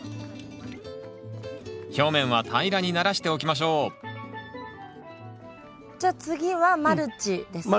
表面は平らにならしておきましょうじゃあ次はマルチですかね？